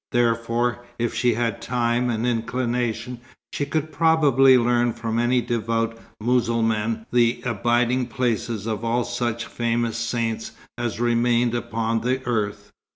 Therefore, if she had time and inclination, she could probably learn from any devout Mussulman the abiding places of all such famous saints as remained upon the earth.